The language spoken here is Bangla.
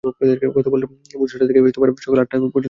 গতকাল ভোর চারটা থেকে সকাল আটটা পর্যন্ত কুষ্টিয়ায় টানা বৃষ্টি হয়।